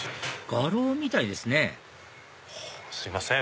画廊みたいですねすいません。